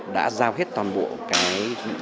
đã giao hết toàn bộ cái